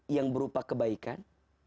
yang berupa kebaikan